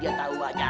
dia tahu aja